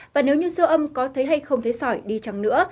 và nếu như sưa âm có thấy hay không thấy sỏi đi chăng nữa